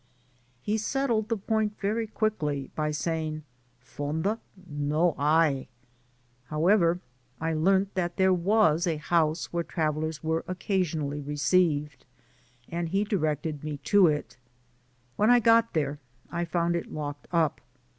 He setded the point very qiuckly by saying, *^ Fonda no hay ;^ however, I learnt that there was a house where travellerswere occa^onally received, and he directed me to it. When I got there, I found it locked up.